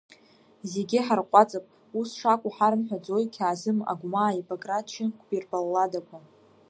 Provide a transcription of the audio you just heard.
Зегьы ҳарҟәаҵып ус шакәу ҳарымҳәаӡои Қьаазым Агәмааи Баграт Шьынқәбеи рбалладақәа.